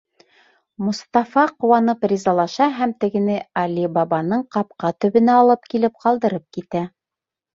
Мостафа ҡыуанып ризалаша һәм тегене Али Бабаның ҡапҡа төбөнә алып килеп ҡалдырып китә.